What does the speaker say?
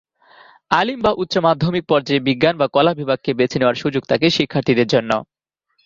আলিম বা উচ্চ মাধ্যমিক পর্যায়ে বিজ্ঞান বা কলা বিভাগকে বেছে নেওয়ার সুযোগ থাকে শিক্ষার্থীদের জন্য।